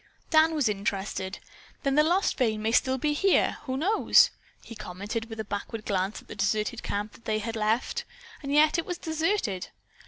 Dan was interested. "Then the lost vein may still be here, who knows?" he commented with a backward glance at the deserted camp they had left. And yet, was it deserted?